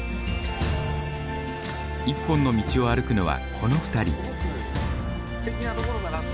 一本の道を歩くのはこの２人。